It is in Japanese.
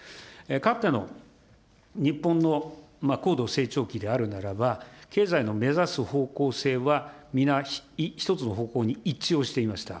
かつての日本の高度成長期であるならば、経済の目指す方向性は、皆、一つの方向に一致をしておりました。